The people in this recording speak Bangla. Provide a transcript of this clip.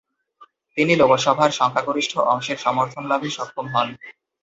তিনি লোকসভার সংখ্যাগরিষ্ঠ অংশের সমর্থন লাভে সক্ষম হন।